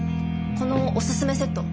このおすすめセット。